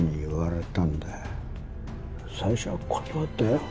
最初は断ったよ。